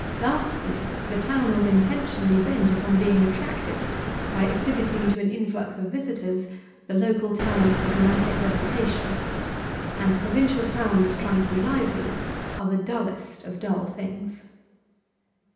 Lastly, the town was intentionally bent upon being attractive by exhibiting to an influx of visitors the local talent for dramatic recitation, and provincial towns trying to be lively are the dullest of dull things.